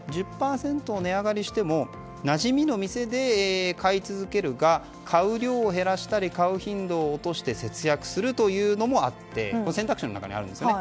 １０％値上がりしてもなじみの店で買い続けるが買う量を減らしたり買う頻度を落として節約するというのもあって選択肢の中にあるんですよね。